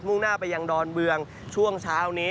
่งหน้าไปยังดอนเมืองช่วงเช้านี้